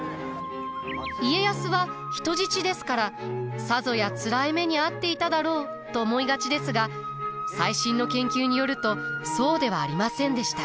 家康は人質ですからさぞやつらい目に遭っていただろうと思いがちですが最新の研究によるとそうではありませんでした。